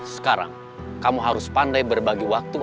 sekarang kamu harus pandai berbagi waktu